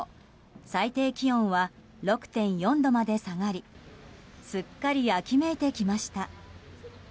最低気温は６．４度まで下がりすっかり秋めいてきました。